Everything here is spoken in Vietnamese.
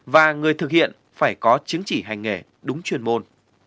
và người thực hiện phải có chứng chỉ hành nghề đúng chuyên môn